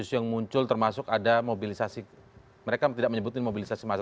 isu yang muncul termasuk ada mobilisasi mereka tidak menyebutin mobilisasi massa